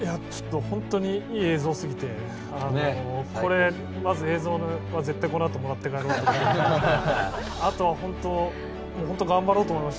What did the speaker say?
本当にいい映像過ぎてまず映像はこのあともらって帰ろうと思います。